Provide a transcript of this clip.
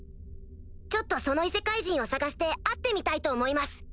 ちょっとその異世界人を探して会ってみたいと思います。